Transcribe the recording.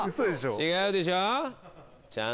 違うでしょえっ！